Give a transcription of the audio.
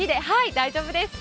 大丈夫ですか？